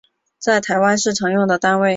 在台湾是常用的单位